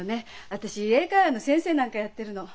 私英会話の先生なんかやってるの。